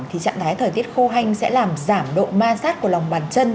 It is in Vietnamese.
thì trạng thái thời tiết khô hanh sẽ làm giảm độ ma sát của lòng bàn chân